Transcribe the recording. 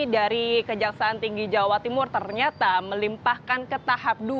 dari kejaksaan tinggi jawa timur ternyata melimpahkan ke tahap dua